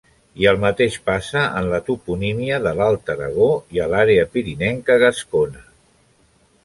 I el mateix passa en la toponímia de l'Alt Aragó i a l'àrea pirinenca gascona.